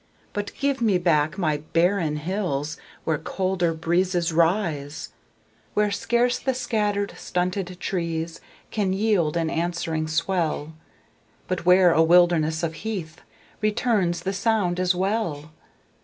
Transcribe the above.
But give me back my barren hills Where colder breezes rise; Where scarce the scattered, stunted trees Can yield an answering swell, But where a wilderness of heath Returns the sound as well.